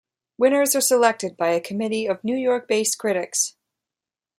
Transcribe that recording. Winners are selected by a committee of New York-based critics.